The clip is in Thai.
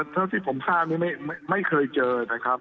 เท่าที่ผมทราบนี่ไม่เคยเจอนะครับ